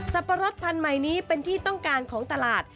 ปะรดพันธุ์ใหม่นี้เป็นที่ต้องการของตลาด